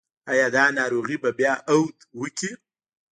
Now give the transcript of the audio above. ایا دا ناروغي به بیا عود وکړي؟